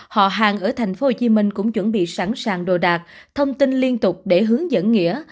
họ hàng ở thành phố hồ chí minh cũng chuẩn bị sẵn sàng đồ đạc thông tin liên tục để hướng dẫn nghĩa